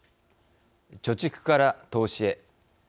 貯蓄から投資へ。